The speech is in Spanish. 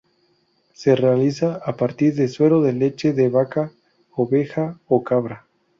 Se realiza a partir de suero de leche de vaca, oveja o cabra.